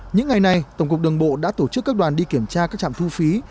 những ngày này tổng cục đường bộ đã tổ chức các đoàn đi kiểm tra các trạm thu phí